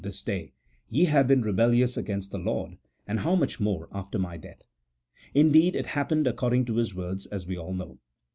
235 this day, ye have been rebellious against the Lord ; and how much more after my death !" Indeed, it happened according to his words, as we all know.